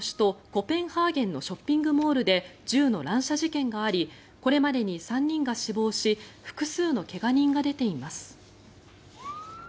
コペンハーゲンのショッピングモールで銃の乱射事件がありこれまでに３人が死亡し複数の怪我人が出ています。